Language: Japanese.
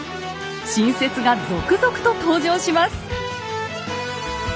新説が続々と登場します。